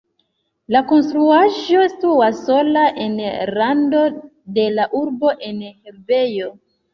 La konstruaĵo situas sola en rando de la urbo en herbejo.